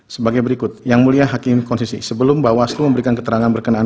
sebagai berikut yang mulia hakim konstitusi sebelum bawaslu memberikan keterangan berkenaan